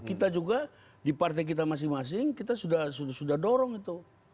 kita juga di partai kita masing masing kita sudah dorong itu